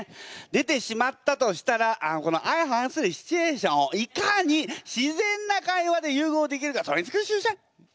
出てしまったとしたらこの相反するシチュエーションをいかに自然な会話で融合できるかそれにつきるでしょうね。